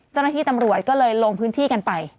เจ้าหน้าที่ตำรวจก็เลยลงพื้นที่กันไป